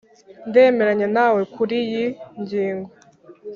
ndemeranya nawe kuriyi ngingo.